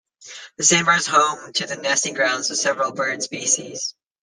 The Sandbar is home to the nesting grounds of several bird species.